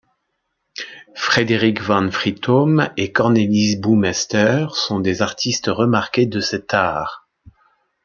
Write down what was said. Frederik van Frytom et Cornelis Boumeester sont des artistes remarqués de cet art.